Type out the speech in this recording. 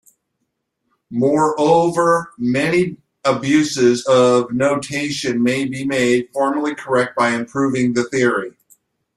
Moreover, many abuses of notation may be made formally correct by improving the theory.